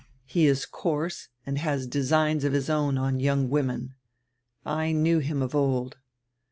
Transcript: He is coarse and has designs of his own on young women. I knew him of old."